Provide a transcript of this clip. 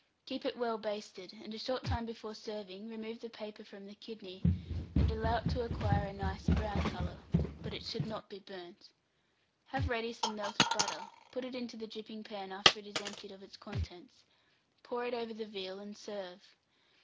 Keep it well basted, and a short time before serving, remove the paper from the kidney, and allow it to acquire a nice brown colour, but it should not be burnt. Have ready some melted butter, put it into the dripping pan after it is emptied of its contents, pour it over the veal, and serve.